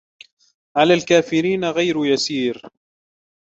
على الكافرين غير يسير